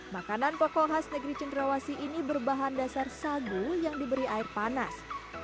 makanan pokok khas negeri cendrawasi ini berbahan dasar sagu yang diberi air panas